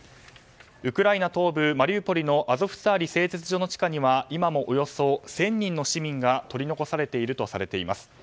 ウクライナ東部マリウポリのアゾフスターリ製鉄所の地下には今もおよそ１０００人の市民が取り残されているとされています。